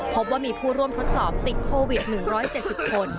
พบว่ามีผู้ร่วมทดสอบติดโควิด๑๗๐คน